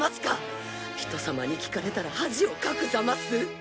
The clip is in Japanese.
人様に聞かれたら恥をかくざます。